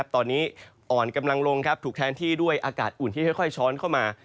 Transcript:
ตอนนี้อ่อนกำลังลงถูกแทนที่ด้วยอากาศอุ่นที่ค่อยช้อนเข้ามา